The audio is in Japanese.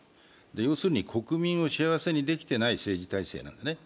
要するに国民を幸せにできていない政治体制なんです。